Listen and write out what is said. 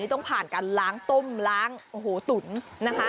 ต้องผ่านการล้างต้มล้างโอ้โหตุ๋นนะคะ